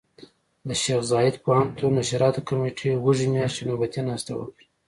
د شيخ زايد پوهنتون نشراتو کمېټې وږي مياشتې نوبتي ناسته وکړه.